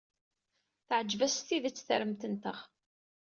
Teɛjeb-aɣ s tidet tremt-nteɣ.